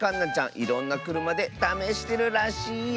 いろんなくるまでためしてるらしいよ。